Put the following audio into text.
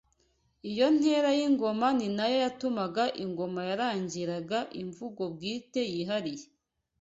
Iyo ntera y’ingoma ni nayo yatumaga ingoma yaragiraga imvugo bwite yihariye